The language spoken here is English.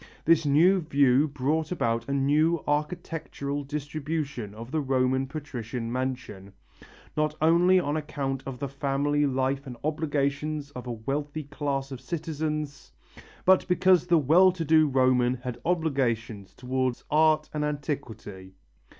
This new view brought about a new architectural distribution of the Roman patrician mansion, not only on account of the family life and obligations of a wealthy class of citizens, but because the well to do Roman had obligations towards art and antiquity.